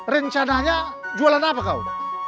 rencananya jualan apa kau